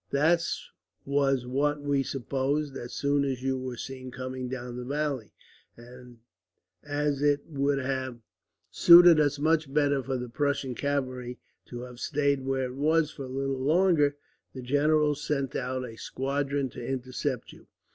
"That was what we supposed, as soon as you were seen coming down the valley; and as it would have suited us much better for the Prussian cavalry to have stayed where it was for a little longer, the general sent out a squadron to intercept you.